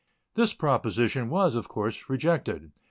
This proposition was, of course, rejected.